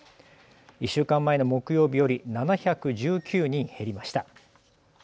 １週間前の木曜日より７１９人減りました。